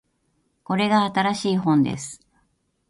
これが新しい本です